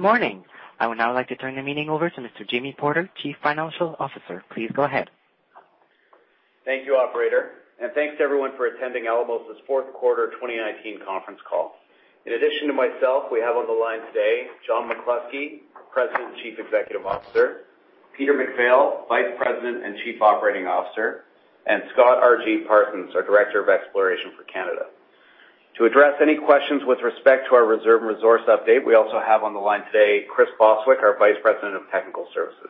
Good morning. I would now like to turn the meeting over to Mr. Jamie Porter, Chief Financial Officer. Please go ahead. Thank you, operator, and thanks to everyone for attending Alamos' fourth quarter 2019 conference call. In addition to myself, we have on the line today John McCluskey, President and Chief Executive Officer, Peter MacPhail, Vice President and Chief Operating Officer, and Scott R.G. Parsons, our Director of Exploration for Canada. To address any questions with respect to our reserve and resource update, we also have on the line today Chris Bostwick, our Vice President of Technical Services.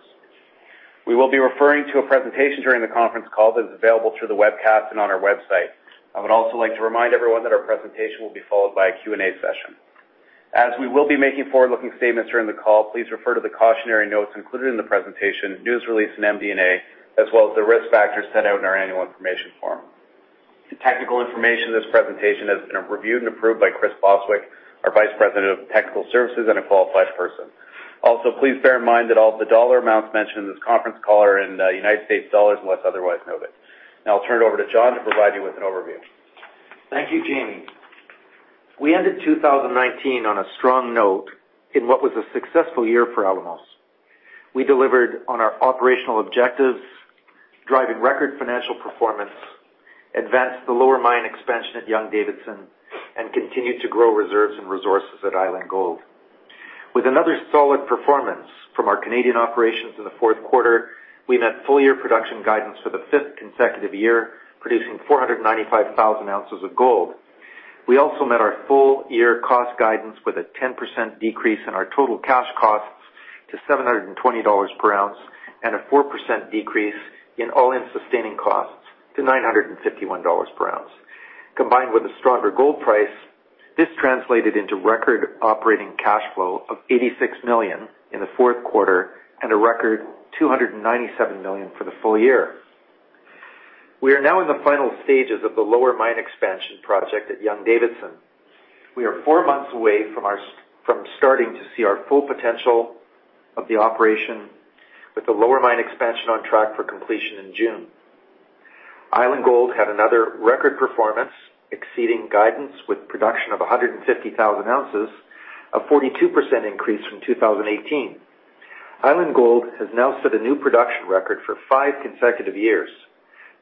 We will be referring to a presentation during the conference call that is available through the webcast and on our website. I would also like to remind everyone that our presentation will be followed by a Q&A session. As we will be making forward-looking statements during the call, please refer to the cautionary notes included in the presentation, news release, and MD&A, as well as the risk factors set out in our Annual Information Form. The technical information in this presentation has been reviewed and approved by Chris Bostwick, our Vice President of Technical Services and a qualified person. Also, please bear in mind that all the dollar amounts mentioned in this conference call are in United States dollars, unless otherwise noted. Now I'll turn it over to John to provide you with an overview. Thank you, Jamie. We ended 2019 on a strong note in what was a successful year for Alamos. We delivered on our operational objectives, driving record financial performance, advanced the lower mine expansion at Young-Davidson, continued to grow reserves and resources at Island Gold. With another solid performance from our Canadian operations in the fourth quarter, we met full-year production guidance for the fifth consecutive year, producing 495,000 ounces of gold. We also met our full-year cost guidance with a 10% decrease in our total cash costs to $720 per ounce and a 4% decrease in all-in sustaining costs to $951 per ounce. Combined with a stronger gold price, this translated into record operating cash flow of $86 million in the fourth quarter and a record $297 million for the full year. We are now in the final stages of the Lower Mine Expansion project at Young-Davidson. We are four months away from starting to see our full potential of the operation with the Lower Mine Expansion on track for completion in June. Island Gold had another record performance, exceeding guidance with production of 150,000 ounces, a 42% increase from 2018. Island Gold has now set a new production record for five consecutive years.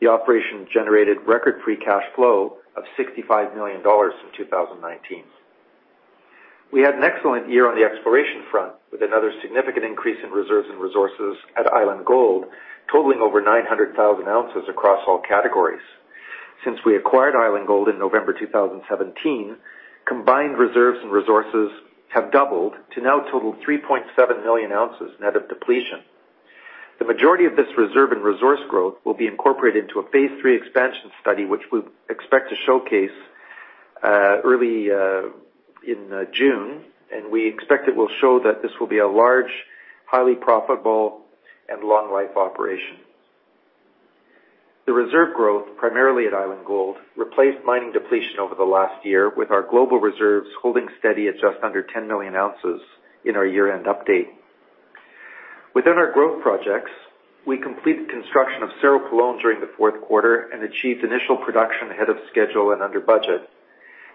The operation generated record free cash flow of $65 million in 2019. We had an excellent year on the exploration front with another significant increase in reserves and resources at Island Gold, totaling over 900,000 ounces across all categories. Since we acquired Island Gold in November 2017, combined reserves and resources have doubled to now total 3.7 million ounces net of depletion. The majority of this reserve and resource growth will be incorporated into a phase three expansion study, which we expect to showcase early in June. We expect it will show that this will be a large, highly profitable, and long-life operation. The reserve growth, primarily at Island Gold, replaced mining depletion over the last year, with our global reserves holding steady at just under 10 million ounces in our year-end update. Within our growth projects, we completed construction of Cerro Pelon during the fourth quarter and achieved initial production ahead of schedule and under budget.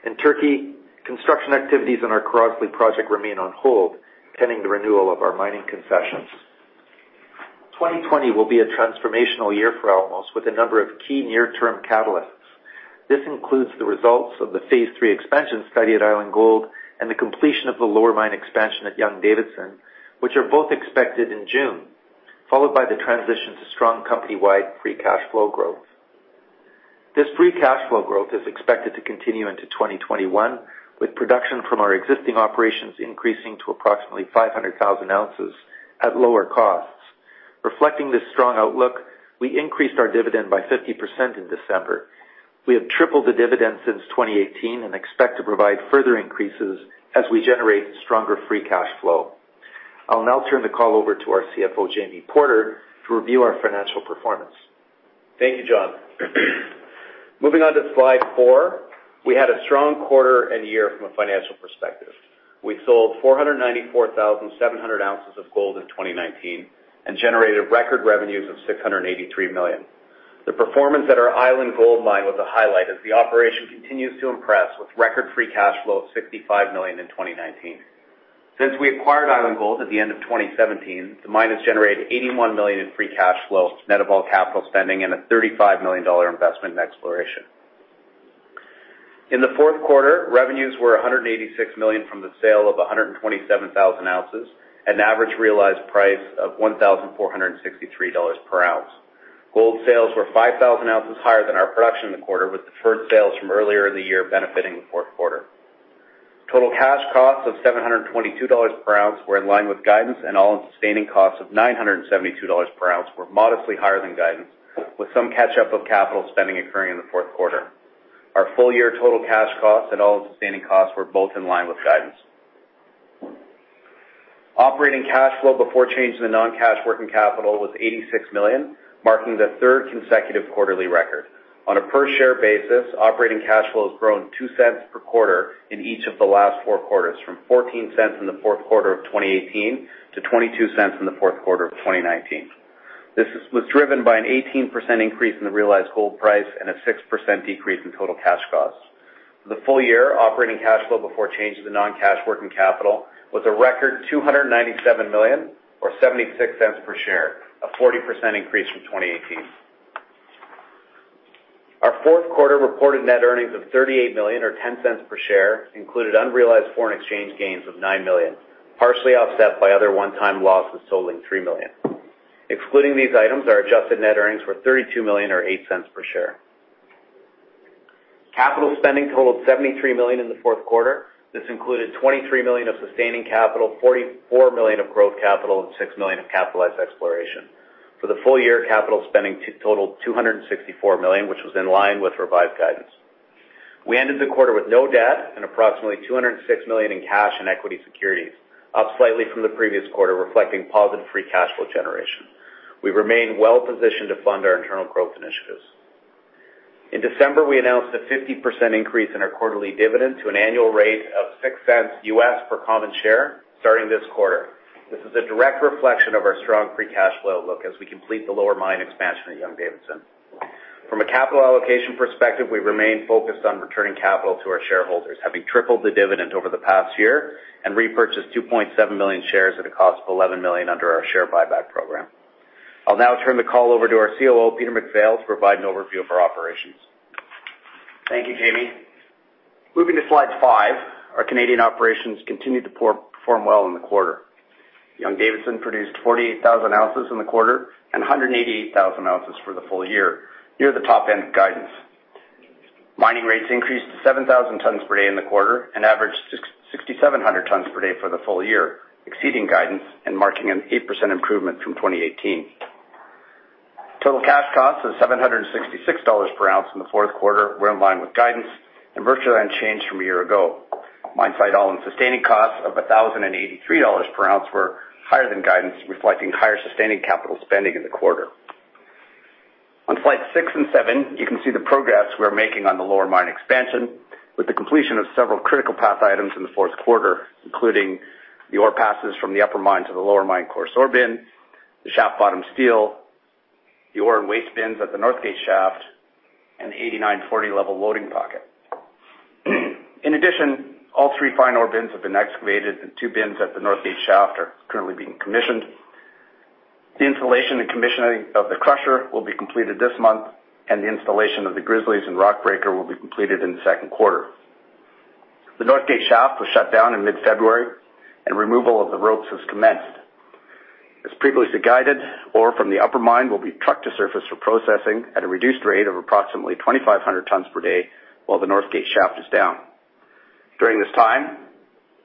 In Turkey, construction activities in our Kirazli project remain on hold pending the renewal of our mining concessions. 2020 will be a transformational year for Alamos with a number of key near-term catalysts. This includes the results of the phase three expansion study at Island Gold and the completion of the lower mine expansion at Young-Davidson, which are both expected in June, followed by the transition to strong company-wide free cash flow growth. This free cash flow growth is expected to continue into 2021, with production from our existing operations increasing to approximately 500,000 ounces at lower costs. Reflecting this strong outlook, we increased our dividend by 50% in December. We have tripled the dividend since 2018 and expect to provide further increases as we generate stronger free cash flow. I will now turn the call over to our CFO, Jamie Porter, to review our financial performance. Thank you, John. Moving on to slide four, we had a strong quarter and year from a financial perspective. We sold 494,700 ounces of gold in 2019 and generated record revenues of $683 million. The performance at our Island Gold Mine was a highlight as the operation continues to impress with record free cash flow of $65 million in 2019. Since we acquired Island Gold at the end of 2017, the mine has generated $81 million in free cash flow, net of all capital spending and a $35 million investment in exploration. In the fourth quarter, revenues were $186 million from the sale of 127,000 ounces at an average realized price of $1,463 per ounce. Gold sales were 5,000 ounces higher than our production in the quarter, with deferred sales from earlier in the year benefiting the fourth quarter. Total cash costs of $722 per ounce were in line with guidance. All-in sustaining costs of $972 per ounce were modestly higher than guidance, with some catch-up of capital spending occurring in the fourth quarter. Our full-year total cash costs and all-in sustaining costs were both in line with guidance. Operating cash flow before change to the non-cash working capital was $86 million, marking the third consecutive quarterly record. On a per-share basis, operating cash flow has grown $0.02 per quarter in each of the last four quarters, from $0.14 in the fourth quarter of 2018 to $0.22 in the fourth quarter of 2019. This was driven by an 18% increase in the realized gold price and a 6% decrease in total cash costs. The full year operating cash flow before change to the non-cash working capital was a record $297 million or $0.76 per share, a 40% increase from 2018. Our fourth quarter reported net earnings of $38 million or $0.10 per share included unrealized foreign exchange gains of $9 million, partially offset by other one-time losses totaling $3 million. Excluding these items, our adjusted net earnings were $32 million or $0.08 per share. Capital spending totaled $73 million in the fourth quarter. This included $23 million of sustaining capital, $44 million of growth capital, and $6 million of capitalized exploration. For the full year, capital spending totaled $264 million, which was in line with revised guidance. We ended the quarter with no debt and approximately $206 million in cash and equity securities, up slightly from the previous quarter, reflecting positive free cash flow generation. We remain well positioned to fund our internal growth initiatives. In December, we announced a 50% increase in our quarterly dividend to an annual rate of $0.06 US per common share starting this quarter. This is a direct reflection of our strong free cash flow outlook as we complete the lower mine expansion at Young-Davidson. From a capital allocation perspective, we remain focused on returning capital to our shareholders, having tripled the dividend over the past year and repurchased 2.7 million shares at a cost of $11 million under our share buyback program. I will now turn the call over to our COO, Peter MacPhail, to provide an overview of our operations. Thank you, Jamie. Moving to slide five, our Canadian operations continued to perform well in the quarter. Young-Davidson produced 48,000 ounces in the quarter and 188,000 ounces for the full year, near the top end of guidance. Mining rates increased to 7,000 tons per day in the quarter and averaged 6,700 tons per day for the full year, exceeding guidance and marking an 8% improvement from 2018. total cash costs of $766 per ounce in the fourth quarter were in line with guidance and virtually unchanged from a year ago. Mine site all-in sustaining costs of $1,083 per ounce were higher than guidance, reflecting higher sustaining capital spending in the quarter. On slides six and seven, you can see the progress we're making on the lower mine expansion with the completion of several critical path items in the fourth quarter, including the ore passes from the upper mine to the lower mine coarse ore bin, the shaft bottom steel, the ore and waste bins at the Northgate shaft, and the 8940 level loading pocket. In addition, all three fine ore bins have been excavated, and two bins at the Northgate shaft are currently being commissioned. The installation and commissioning of the crusher will be completed this month, and the installation of the grizzlies and rock breaker will be completed in the second quarter. The Northgate shaft was shut down in mid-February, and removal of the ropes has commenced. As previously guided, ore from the upper mine will be trucked to surface for processing at a reduced rate of approximately 2,500 tons per day while the Northgate shaft is down. During this time,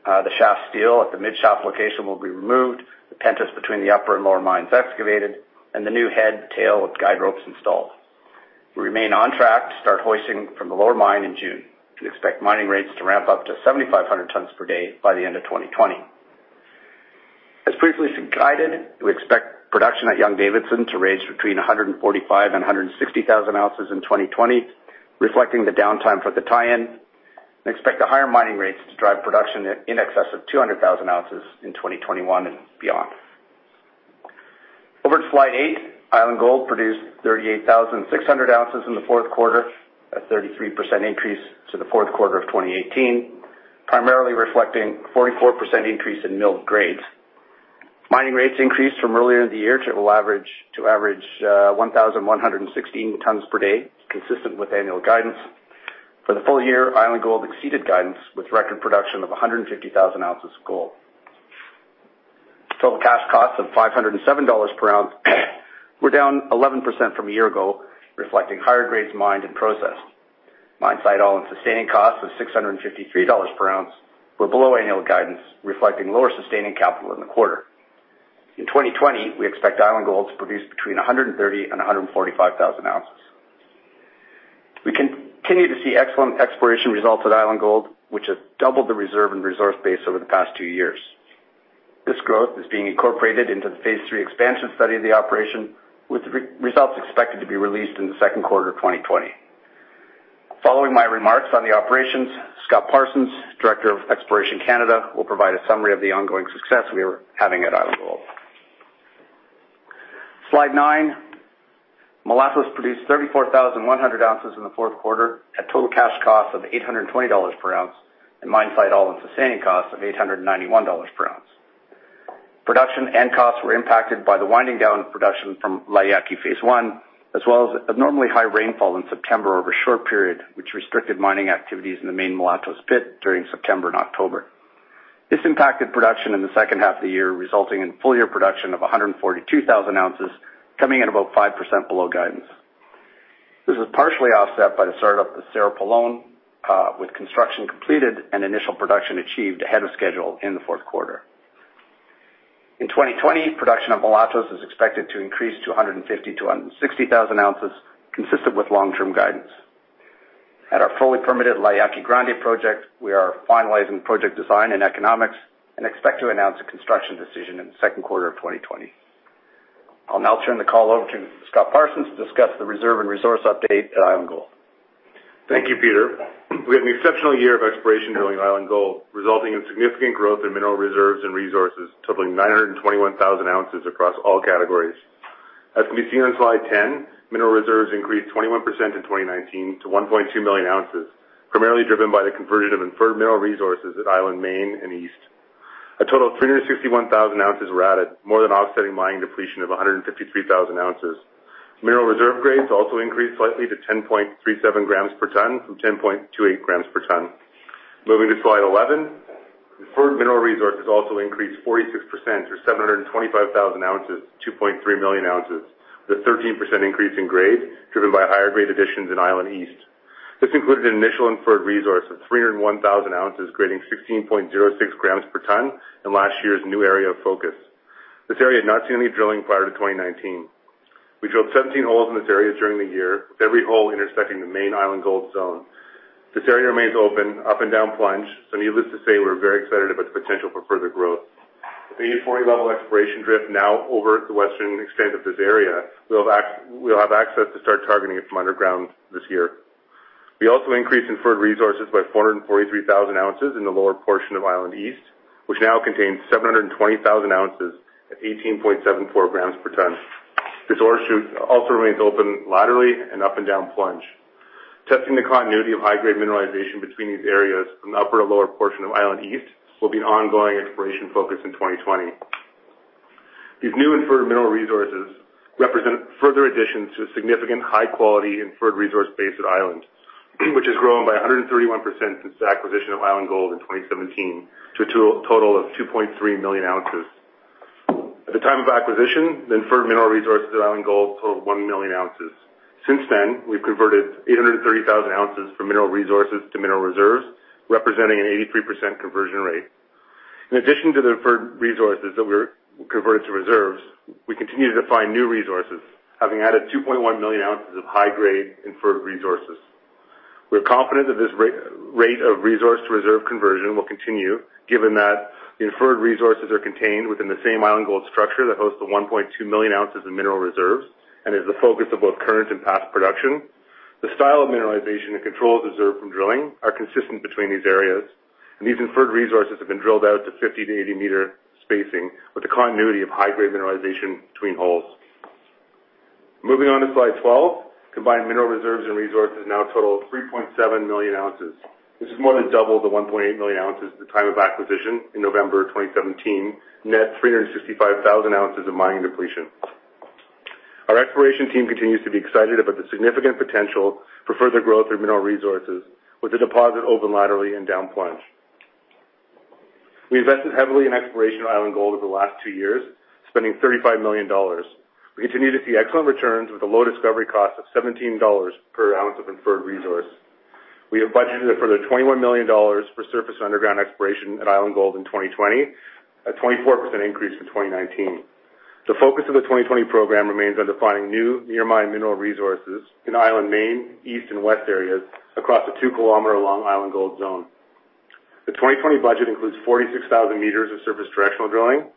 the shaft steel at the mid-shaft location will be removed, the pentice between the upper and lower mines excavated, and the new head, tail, and guide ropes installed. We remain on track to start hoisting from the lower mine in June and expect mining rates to ramp up to 7,500 tons per day by the end of 2020. As previously guided, we expect production at Young-Davidson to range between 145,000 and 160,000 ounces in 2020, reflecting the downtime for the tie-in, and expect the higher mining rates to drive production in excess of 200,000 ounces in 2021 and beyond. Over to slide eight, Island Gold produced 38,600 ounces in the fourth quarter, a 33% increase to the fourth quarter of 2018, primarily reflecting a 44% increase in mill grades. Mining rates increased from earlier in the year to average 1,116 tons per day, consistent with annual guidance. For the full year, Island Gold exceeded guidance with record production of 150,000 ounces of gold. Total cash costs of $507 per ounce were down 11% from a year ago, reflecting higher grades mined and processed. Mine site all-in sustaining costs of $653 per ounce were below annual guidance, reflecting lower sustaining capital in the quarter. In 2020, we expect Island Gold to produce between 130,000 and 145,000 ounces. We continue to see excellent exploration results at Island Gold, which has doubled the reserve and resource base over the past two years. This growth is being incorporated into the phase three expansion study of the operation, with results expected to be released in the second quarter of 2020. Following my remarks on the operations, Scott R.G. Parsons, Director of Exploration Canada, will provide a summary of the ongoing success we are having at Island Gold. Slide nine, Mulatos produced 34,100 ounces in the fourth quarter at total cash costs of $820 per ounce and mine site all-in sustaining costs of $891 per ounce. Production and costs were impacted by the winding down of production from La Yaqui phase one, as well as abnormally high rainfall in September over a short period, which restricted mining activities in the main Mulatos pit during September and October. This impacted production in the second half of the year, resulting in full-year production of 142,000 ounces, coming in about 5% below guidance. This was partially offset by the start-up of the Cerro Pelon, with construction completed and initial production achieved ahead of schedule in the fourth quarter. In 2020, production at Mulatos is expected to increase to 150,000 to 160,000 ounces, consistent with long-term guidance. At our fully permitted La Yaqui Grande project, we are finalizing project design and economics and expect to announce a construction decision in the second quarter of 2020. I'll now turn the call over to Scott R.G. Parsons to discuss the reserve and resource update at Island Gold. Thank you, Peter. We had an exceptional year of exploration drilling at Island Gold, resulting in significant growth in mineral reserves and resources totaling 921,000 ounces across all categories. As can be seen on slide 10, mineral reserves increased 21% in 2019 to 1.2 million ounces, primarily driven by the conversion of inferred mineral resources at Island Main and East. A total of 361,000 ounces were added, more than offsetting mining depletion of 153,000 ounces. Mineral reserve grades also increased slightly to 10.37 grams per tonne from 10.28 grams per tonne. Moving to slide 11, inferred mineral resources also increased 46%, or 725,000 ounces, to 2.3 million ounces, with a 13% increase in grade driven by higher grade additions in Island East. This included an initial inferred resource of 301,000 ounces grading 16.06 grams per tonne in last year's new area of focus. This area had not seen any drilling prior to 2019. We drilled 17 holes in this area during the year, with every hole intersecting the Island Main gold zone. This area remains open up and down plunge, needless to say, we're very excited about the potential for further growth. With the 840 level exploration drift now over at the western extent of this area, we'll have access to start targeting it from underground this year. We also increased inferred resources by 443,000 ounces in the lower portion of Island East, which now contains 720,000 ounces at 18.74 grams per tonne. This ore shoot also remains open laterally and up and down plunge. Testing the continuity of high-grade mineralization between these areas from the upper and lower portion of Island East will be an ongoing exploration focus in 2020. These new inferred mineral resources represent further additions to a significant high-quality inferred resource base at Island, which has grown by 131% since the acquisition of Island Gold in 2017 to a total of 2.3 million ounces. At the time of acquisition, the inferred mineral resources at Island Gold totaled 1 million ounces. Since then, we've converted 830,000 ounces from mineral resources to mineral reserves, representing an 83% conversion rate. In addition to the inferred resources that were converted to reserves, we continue to find new resources, having added 2.1 million ounces of high-grade inferred resources. We're confident that this rate of resource-to-reserve conversion will continue, given that the inferred resources are contained within the same Island Gold structure that hosts the 1.2 million ounces of mineral reserves and is the focus of both current and past production. The style of mineralization and control observed from drilling are consistent between these areas, and these inferred resources have been drilled out to 50-80-meter spacing with the continuity of high-grade mineralization between holes. Moving on to slide 12, combined mineral reserves and resources now total 3.7 million ounces. This is more than double the 1.8 million ounces at the time of acquisition in November 2017, net 365,000 ounces of mining depletion. Our exploration team continues to be excited about the significant potential for further growth in mineral resources with the deposit open laterally and down plunge. We invested heavily in exploration at Island Gold over the last two years, spending $35 million. We continue to see excellent returns with a low discovery cost of $17 per ounce of inferred resource. We have budgeted a further $21 million for surface and underground exploration at Island Gold in 2020, a 24% increase from 2019. The focus of the 2020 program remains on defining new near mine mineral resources in Island Main, East, and West areas across the two-kilometer-long Island Gold zone. The 2020 budget includes 46,000 meters of surface directional drilling,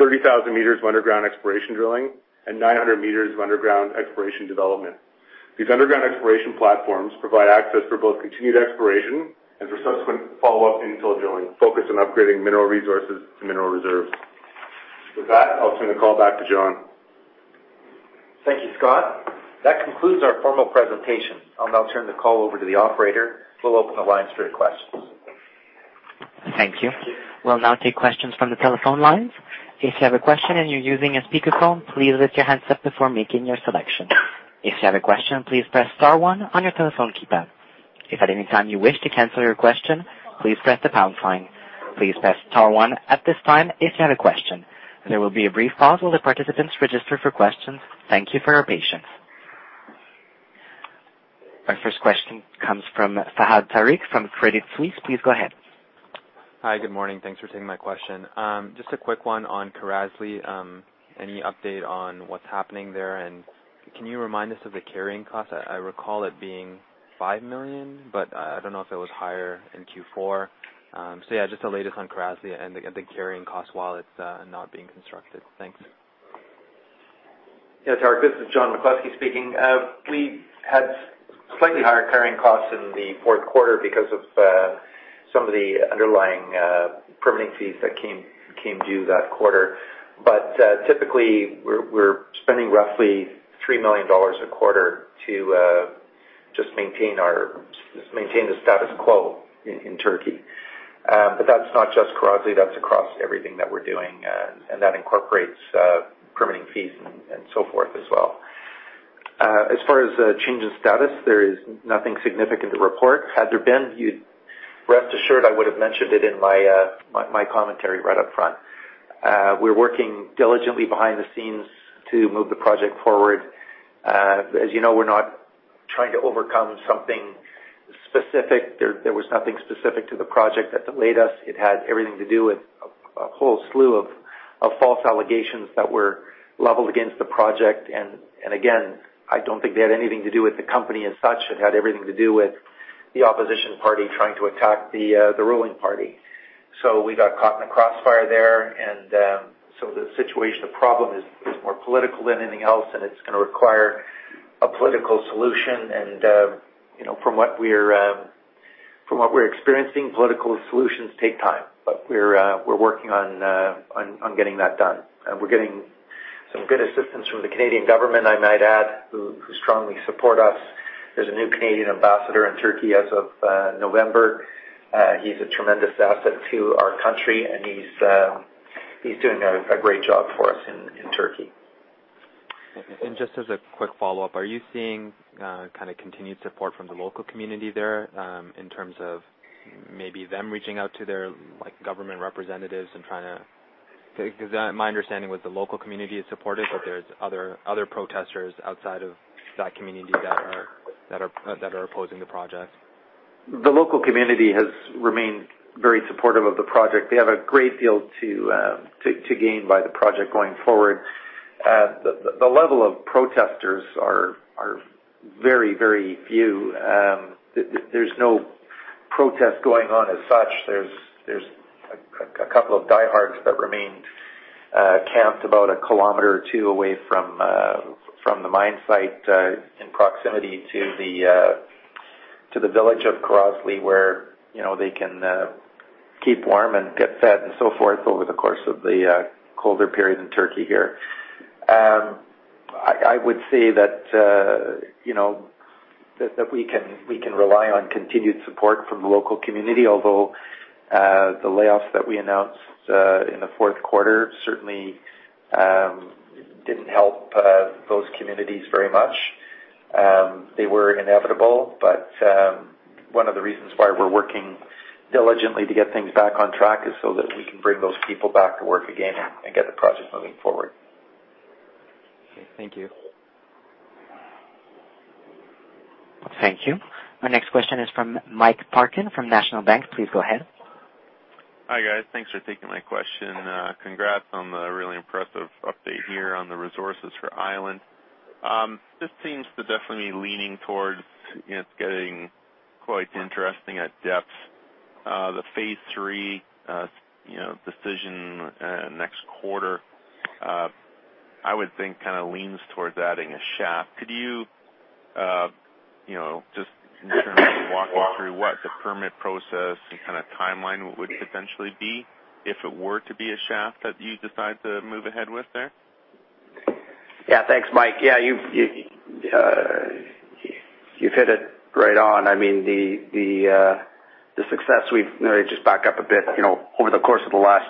30,000 meters of underground exploration drilling, and 900 meters of underground exploration development. These underground exploration platforms provide access for both continued exploration and for subsequent follow-up infill drilling focused on upgrading mineral resources to mineral reserves. With that, I'll turn the call back to John. Thank you, Scott. That concludes our formal presentation. I will now turn the call over to the operator, who will open the lines for your questions. Our first question comes from Fahad Tariq from Credit Suisse. Please go ahead. Hi, good morning. Thanks for taking my question. Just a quick one on Kirazli. Any update on what's happening there? Can you remind us of the carrying cost? I recall it being $5 million. I don't know if it was higher in Q4. Just the latest on Kirazli and the carrying cost while it's not being constructed. Thanks. Yeah, Tariq, this is John McCluskey speaking. We had slightly higher carrying costs in the fourth quarter because of some of the underlying permitting fees that came due that quarter. Typically, we're spending roughly $3 million a quarter to just maintain the status quo in Turkey. That's not just Kirazli, that's across everything that we're doing, and that incorporates permitting fees and so forth as well. As far as a change in status, there is nothing significant to report. Had there been, rest assured, I would have mentioned it in my commentary right up front. We're working diligently behind the scenes to move the project forward. As you know, we're not trying to overcome something specific. There was nothing specific to the project that delayed us. It had everything to do with a whole slew of false allegations that were leveled against the project. Again, I don't think they had anything to do with the company as such. It had everything to do with the opposition party trying to attack the ruling party. We got caught in the crossfire there, the situation, the problem is more political than anything else, and it's going to require a political solution. From what we're experiencing, political solutions take time, but we're working on getting that done. We're getting some good assistance from the Canadian government, I might add, who strongly support us. There's a new Canadian ambassador in Turkey as of November. He's a tremendous asset to our country, and he's doing a great job for us in Turkey. Just as a quick follow-up, are you seeing continued support from the local community there in terms of maybe them reaching out to their government representatives? Because my understanding was the local community is supportive, but there's other protesters outside of that community that are opposing the project. The local community has remained very supportive of the project. They have a great deal to gain by the project going forward. The level of protesters are very few. There's no protest going on as such. There's a couple of diehards that remain camped about a kilometer or two away from the mine site in proximity to the village of Kirazli, where they can keep warm and get fed and so forth over the course of the colder period in Turkey here. I would say that we can rely on continued support from the local community, although the layoffs that we announced in the fourth quarter certainly didn't help those communities very much. They were inevitable, but one of the reasons why we're working diligently to get things back on track is so that we can bring those people back to work again and get the project moving forward. Okay. Thank you. Thank you. Our next question is from Michael Parkin from National Bank. Please go ahead. Hi, guys. Thanks for taking my question. Congrats on the really impressive update here on the resources for Island. This seems to definitely be leaning towards it's getting quite interesting at depth. The Phase Three decision next quarter, I would think leans towards adding a shaft. Could you just in terms of walking through what the permit process and timeline would eventually be if it were to be a shaft that you decide to move ahead with there? Thanks, Michael Parkin. You've hit it right on. Just back up a bit, over the course of the last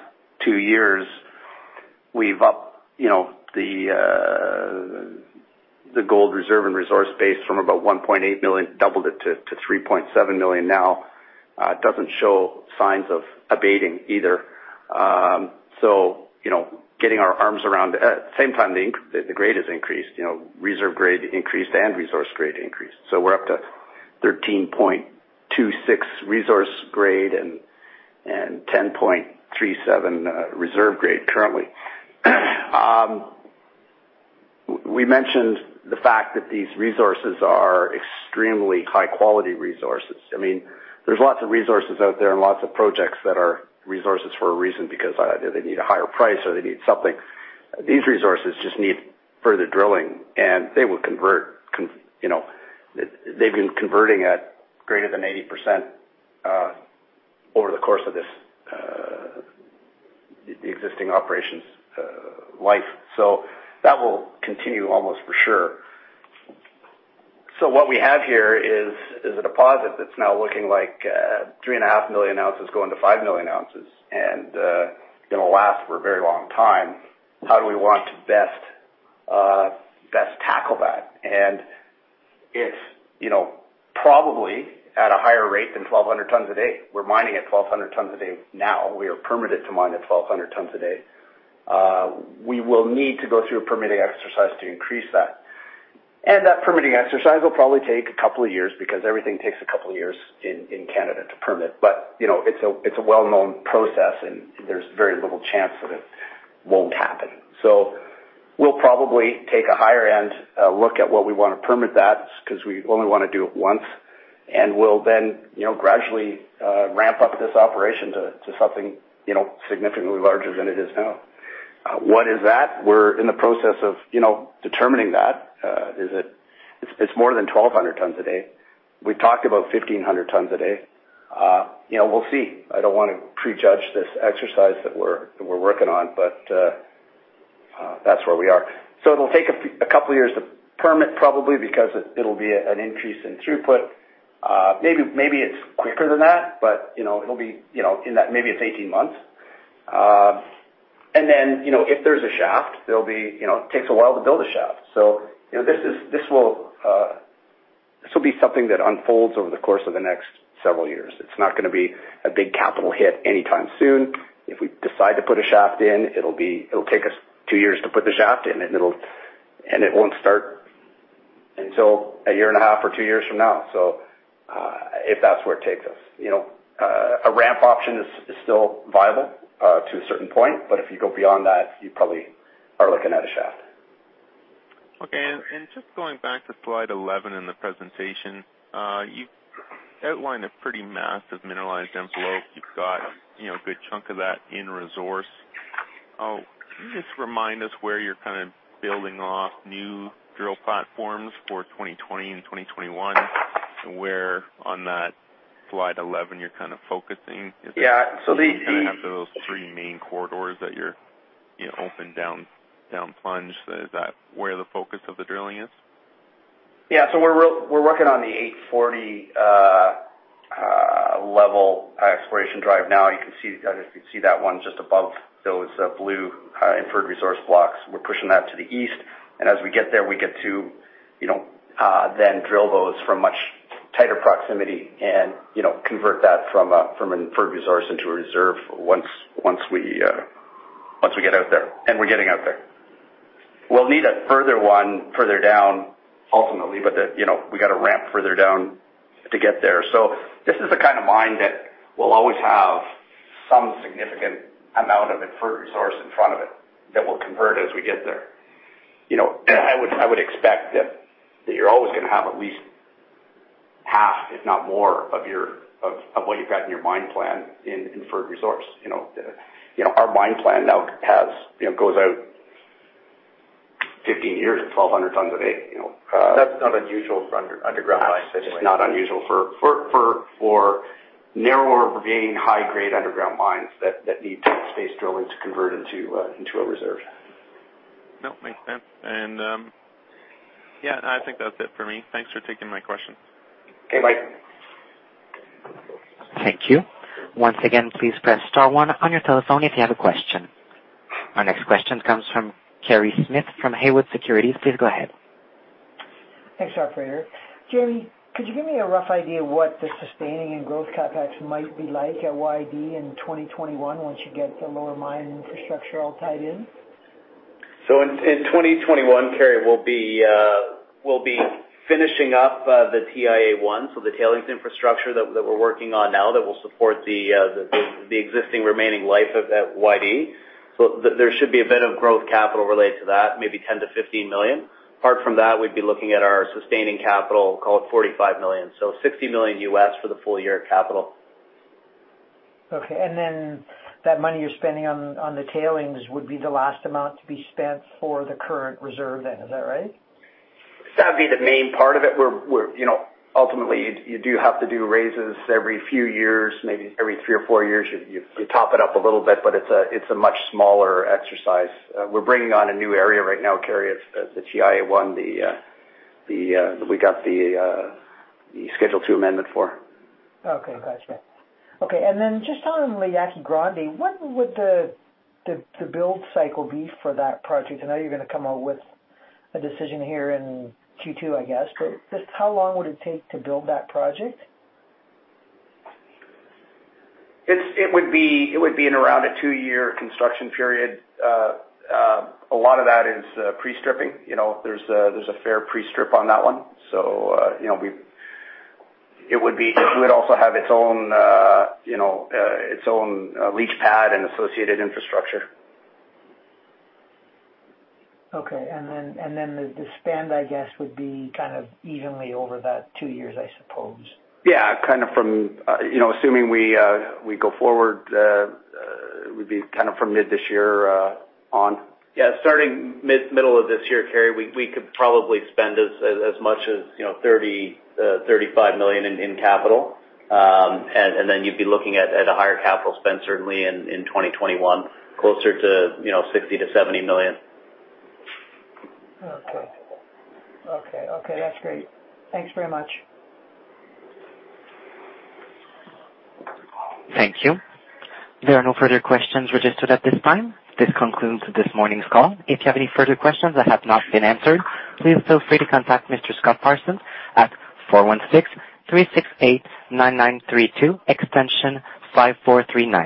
two years, we've upped the gold reserve and resource base from about 1.8 million, doubled it to 3.7 million now. It doesn't show signs of abating either. At the same time, the grade has increased, reserve grade increased, and resource grade increased. We're up to 13.26 resource grade and 10.37 reserve grade currently. We mentioned the fact that these resources are extremely high-quality resources. There's lots of resources out there and lots of projects that are resources for a reason, because either they need a higher price or they need something. These resources just need further drilling, and they will convert. They've been converting at greater than 80% over the course of this existing operation's life. That will continue almost for sure. What we have here is a deposit that's now looking like 3.5 million ounces going to 5 million ounces and going to last for a very long time. How do we want to best tackle that? If probably at a higher rate than 1,200 tons a day, we're mining at 1,200 tons a day now. We are permitted to mine at 1,200 tons a day. We will need to go through a permitting exercise to increase that. That permitting exercise will probably take a couple of years because everything takes a couple of years in Canada to permit. It's a well-known process, and there's very little chance that it won't happen. We'll probably take a higher-end look at what we want to permit that because we only want to do it once, and we'll then gradually ramp up this operation to something significantly larger than it is now. What is that? We're in the process of determining that. It's more than 1,200 tons a day. We've talked about 1,500 tons a day. We'll see. I don't want to prejudge this exercise that we're working on, but that's where we are. It'll take a couple of years to permit, probably because it'll be an increase in throughput. Maybe it's quicker than that, but maybe it's 18 months. Then if there's a shaft, it takes a while to build a shaft. This will be something that unfolds over the course of the next several years. It's not going to be a big capital hit anytime soon. If we decide to put a shaft in, it'll take us two years to put the shaft in, and it won't start until a year and a half or two years from now if that's where it takes us. A ramp option is still viable to a certain point, but if you go beyond that, you probably are looking at a shaft. Okay. Just going back to slide 11 in the presentation, you've outlined a pretty massive mineralized envelope. You've got a good chunk of that in resource. Can you just remind us where you're building off new drill platforms for 2020 and 2021, where on that slide 11 you're focusing? Yeah. After those three main corridors that you're open down plunge, is that where the focus of the drilling is? Yeah. We're working on the 840 level exploration drive now. I don't know if you can see that one just above those blue inferred resource blocks. We're pushing that to the east, and as we get there, we get to then drill those from much tighter proximity and convert that from an inferred resource into a reserve once we get out there, and we're getting out there. We'll need a further one further down ultimately, but we got to ramp further down to get there. This is the kind of mine that will always have some significant amount of inferred resource in front of it that we'll convert as we get there. I would expect that you're always going to have at least half, if not more, of what you've got in your mine plan in inferred resource. Our mine plan now goes out 15 years at 1,200 tons a day. That's not unusual for underground mines anyway. It's not unusual for narrower vein, high-grade underground mines that need space drilling to convert into a reserve. No, makes sense. Yeah, I think that's it for me. Thanks for taking my question. Okay, bye. Thank you. Once again, please press star one on your telephone if you have a question. Our next question comes from Kerry Smith from Haywood Securities. Please go ahead. Thanks, operator. Jamie, could you give me a rough idea what the sustaining and growth CapEx might be like at YD in 2021 once you get the lower mine infrastructure all tied in? In 2021, Kerry, we'll be finishing up the TIA1, so the tailings infrastructure that we're working on now that will support the existing remaining life at YD. There should be a bit of growth capital related to that, maybe $10 million-$15 million. Apart from that, we'd be looking at our sustaining capital, call it $45 million. $60 million for the full year capital. Okay. That money you're spending on the tailings would be the last amount to be spent for the current reserve then. Is that right? That'd be the main part of it, where ultimately you do have to do raises every few years, maybe every three or four years, you top it up a little bit, but it's a much smaller exercise. We're bringing on a new area right now, Kerry, the TIA 1, we got the Schedule 2 amendment for. Okay, got you. Then just on La Yaqui Grande, what would the build cycle be for that project? I know you're going to come out with a decision here in Q2, I guess. Just how long would it take to build that project? It would be in around a two-year construction period. A lot of that is pre-stripping. There's a fair pre-strip on that one. It would also have its own leach pad and associated infrastructure. Okay, the spend, I guess, would be kind of evenly over that two years, I suppose. Yeah, assuming we go forward, it would be from mid this year on. Yeah, starting middle of this year, Kerry, we could probably spend as much as $30 million, $35 million in capital. Then you'd be looking at a higher capital spend certainly in 2021, closer to $60 million to $70 million. Okay. That's great. Thanks very much. Thank you. There are no further questions registered at this time. This concludes this morning's call. If you have any further questions that have not been answered, please feel free to contact Mr. Scott R.G. Parsons at 416-368-9932, extension 5439.